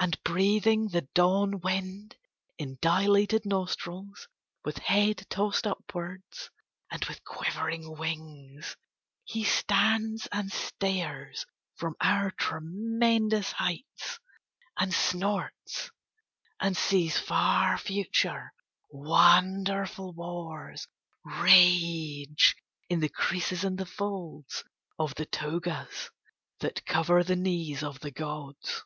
And breathing the dawn wind in dilated nostrils, with head tossed upwards and with quivering wings, he stands and stares from our tremendous heights, and snorts and sees far future wonderful wars rage in the creases and the folds of the togas that cover the knees of the gods."